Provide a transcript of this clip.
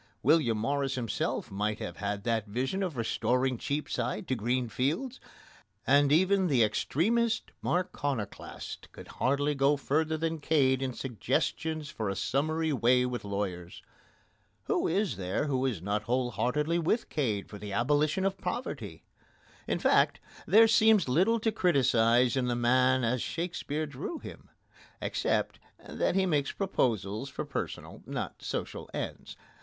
William Morris himself might have had that vision of restoring Cheapside to green fields, and even the extremest Marconoclast could hardly go further than Cade in suggestions for a summary way with lawyers. Who is there who is not whole heartedly with Cade for the abolition of poverty? In fact, there seems little to criticise in the man as Shakespeare drew him, except that he made his proposals for personal, not for social ends.